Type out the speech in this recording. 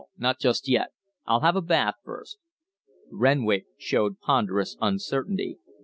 Not just yet. I'll have a bath first." Renwick showed ponderous uncertainty.